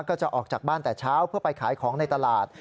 ก็จะออกจากบ้านแต่เช้าเพื่อไปขายของในตลาด